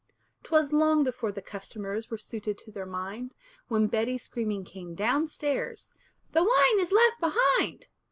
'Twas long before the customers Were suited to their mind, When Betty screaming came down stairs, "The wine is left behind!"